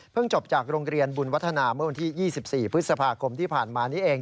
จบจากโรงเรียนบุญวัฒนาเมื่อวันที่๒๔พฤษภาคมที่ผ่านมานี้เอง